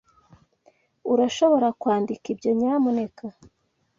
Urashobora kwandika ibyo, nyamuneka?